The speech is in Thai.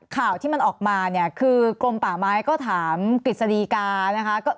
ข่าวที่มันออกมาเนี่ยคือกรมป่าไม้ก็ถามกฤษฎีกานะคะ